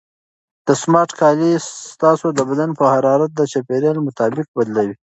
دا سمارټ کالي ستاسو د بدن حرارت د چاپیریال مطابق بدلوي.